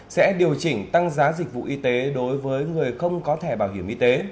sẽ điều chỉnh tăng giá dịch vụ y tế đối với người không có thẻ bảo hiểm y tế